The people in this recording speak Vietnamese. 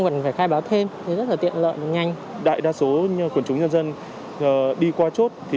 cần phải khai báo thêm thì rất là tiện lợi và nhanh đại đa số quần chúng nhân dân đi qua chốt thì